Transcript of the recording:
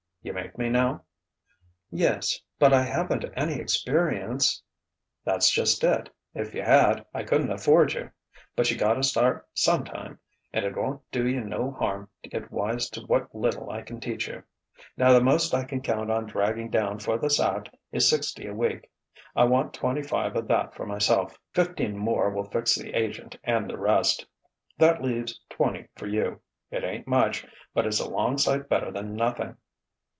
You make me now?" "Yes; but I haven't any experience " "That's just it: if you had, I couldn't afford you. But you gotta start sometime, and it won't do you no harm to get wise to what little I can teach you. Now the most I can count on dragging down for this act is sixty a week. I want twenty five of that for myself. Fifteen, more will fix the agent and the rest. That leaves twenty for you. It ain't much, but it's a long sight better than nothing."